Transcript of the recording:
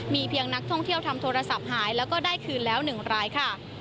มีเพียงนักท่องเที่ยวทำโทรศัพท์หายแล้วก็ได้คืนแล้ว๑รายค่ะ